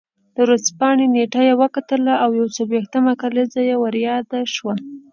د ورځپاڼې نېټه یې وکتله او یو څلوېښتمه کلیزه یې ور یاده شوه.